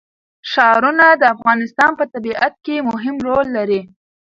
ښارونه د افغانستان په طبیعت کې مهم رول لري.